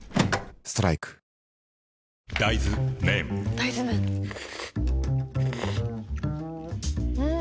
大豆麺ん？